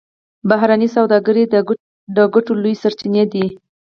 بهرنۍ سوداګري د ګټو لویې سرچینې دي